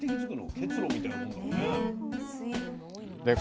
結露みたいなもんだよね。